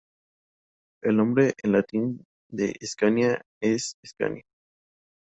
El nombre en latín de Escania es "Scania".